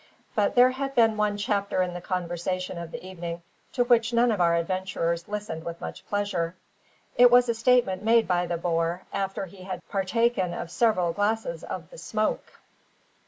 But there had been one chapter in the conversation of the evening to which none of our adventurers listened with much pleasure. It was a statement made by the boer, after he had partaken of several glasses of the "smoke."